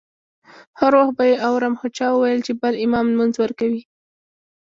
هر وخت به یې اورم خو چا وویل چې بل امام لمونځ ورکوي.